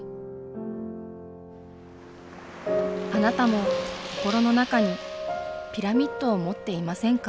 あなたも心の中にピラミッドを持っていませんか？